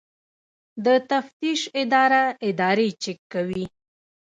د تفتیش اداره ادارې چک کوي